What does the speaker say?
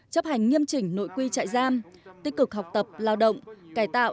chấp hành nghiêm chỉnh nội quy trại giam tích cực học tập lao động cải tạo